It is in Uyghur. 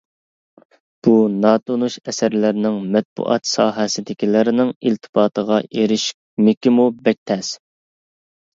بۇ ناتونۇش ئەسەرلەرنىڭ مەتبۇئات ساھەسىدىكىلەرنىڭ ئىلتىپاتىغا ئېرىشمىكىمۇ بەك تەس.